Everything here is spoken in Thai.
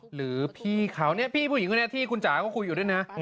หรือพี่เขาพี่ผู้หญิงที่คุณจ๋าก็คุยอยู่ด้วยนะ